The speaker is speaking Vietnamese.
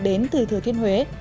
đến từ thừa thiên huế